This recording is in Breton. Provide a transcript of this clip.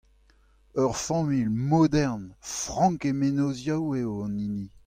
Ur familh modern frank he mennozhioù eo hon hini.